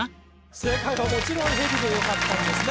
正解はもちろん「ヘビ」でよかったんですね